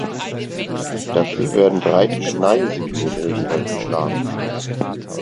Dafür werden breite Schneisen in den Regenwald geschlagen.